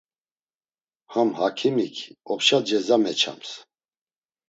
Ham hakimik opşa ceza meçams.